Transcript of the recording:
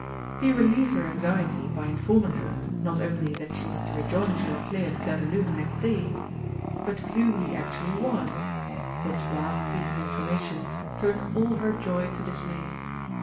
He relieved her anxiety by informing her, not only that she was to rejoin Giroflé at Clairdelune next day, but who he actually was, which last piece of information turned all her joy to dismay.